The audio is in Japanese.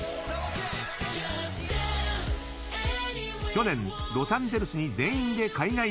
［去年ロサンゼルスに全員で海外留学］